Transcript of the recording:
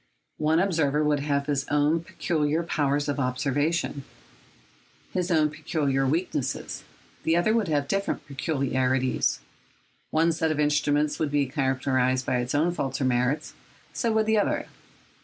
One observer would have his own peculiar powers of observation, his own peculiar weaknesses: the other would have different peculiarities. One set of instruments would be characterised by its own faults or merits, so would the other.